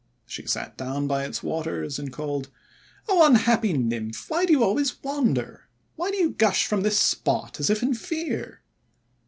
She sat down by its waters, and called :— "0 unhappy Nymph, why do you always wander? WTiy do you gush from this spot as if in fear?'